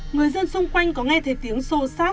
người dân xung quanh có nghe thấy tiếng sô sát